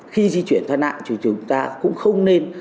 khi di chuyển thoát nạn thì chúng ta cũng không nên